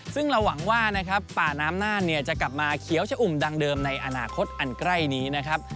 ซึ่งเราหวังว่านะครับป่าน้ำน่านเนี่ยจะกลับมาเขียวชะอุ่มดังเดิมในอนาคตอันใกล้นี้นะครับ